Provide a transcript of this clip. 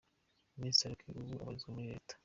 Mr Roki ubu abarizwa muri leta .